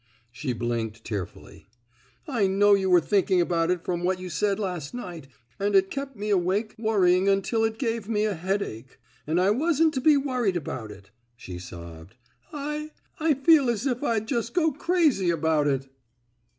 '' She blinked tearfully. I knew you were thinking about it from what you said last night, and it kept me awake worrying me until it gave me a headache. And I wasn't to be worried about it." She sobbed: I — I feel as if I'd just go crazy about it."